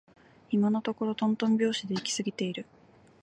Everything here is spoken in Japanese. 今のところとんとん拍子で行き過ぎている